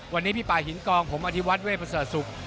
วันนี้พี่ปายหินกองผมอธิวัตเวพศสุข